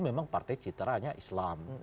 memang partai citaranya islam